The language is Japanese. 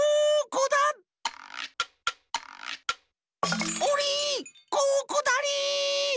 ここだリ！